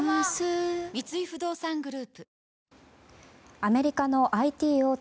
アメリカのＩＴ大手